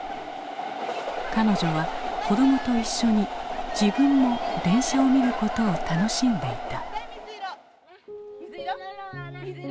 彼女は子どもと一緒に自分も電車を見ることを楽しんでいた。